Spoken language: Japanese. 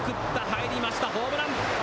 入りましたホームラン。